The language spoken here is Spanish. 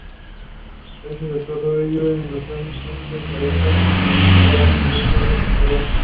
Gracias a todo ello, en los años treinta y cuarenta raramente estuvo sin trabajo.